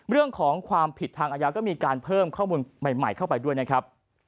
เรื่องของความผิดทางอาญาก็มีการเพิ่มข้อมูลใหม่เข้าไปด้วยนะครับ